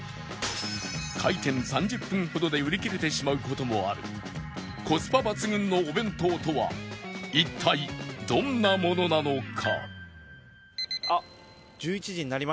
開店３０分ほどで売り切れてしまう事もあるコスパ抜群のお弁当とは一体どんなものなのか？